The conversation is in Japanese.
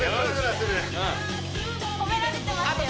褒められてますよ